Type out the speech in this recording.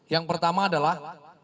yang pertama adalah